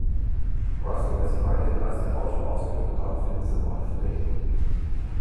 Russel, der sich weiterhin als der Autor ausgibt, wird daraufhin dieser Morde verdächtigt.